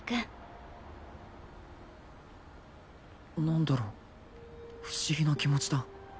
何だろう不思議な気持ちだ